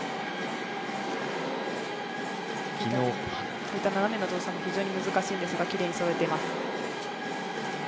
こういった斜めの動作も非常に難しいんですがきれいにそろえています。